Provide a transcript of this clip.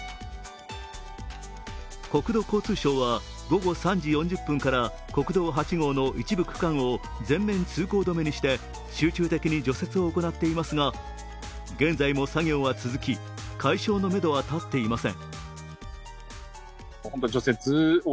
国土交通省は午後３時４０分から国道８号の一部区間を全面通行止めにして集中的に除雪を行っていますが現在も作業は続き、解消のめどは立っていません。